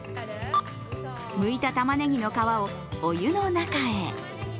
むいたたまねぎの皮をお湯の中へ。